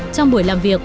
trong buổi làm việc